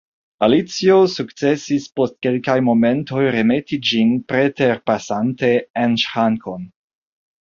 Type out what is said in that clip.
Alicio sukcesis post kelkaj momentoj remeti ĝin, preterpasante, en ŝrankon.